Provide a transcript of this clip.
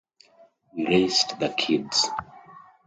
We raised the kids.